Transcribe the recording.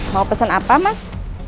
mau pesen apa mas